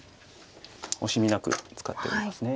惜しみなく使っておりますね。